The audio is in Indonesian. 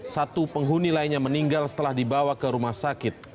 satu penghuni lainnya meninggal setelah dibawa ke rumah sakit